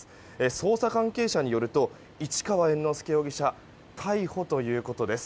捜査関係者によると市川猿之助容疑者逮捕ということです。